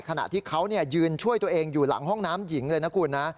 ขณะที่เขายืนช่วยตัวเองอยู่หลังห้องน้ำหญิงเลยนะคุณนะ